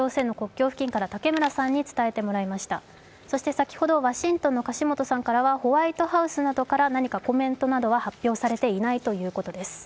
先ほどワシントンの樫元さんからはホワイトハウスなどから何かコメントなどは発表されていないということです。